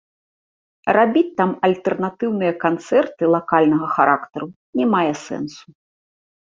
Рабіць там альтэрнатыўныя канцэрты лакальнага характару не мае сэнсу.